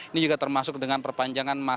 ini juga termasuk dengan perpanjangan masa